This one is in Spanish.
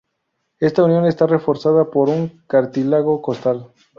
Esta unión está reforzada por un cartílago costal.